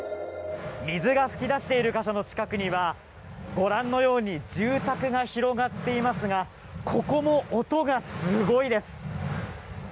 水が噴き出している場所の近くにはご覧のように住宅が広がっていますがここも音がすごいです。